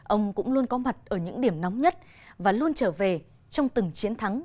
ông cũng luôn có mặt ở những điểm nóng nhất và luôn trở về trong từng chiến thắng